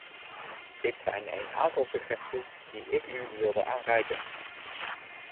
Dit zijn een aantal suggesties die ik u wilde aanreiken.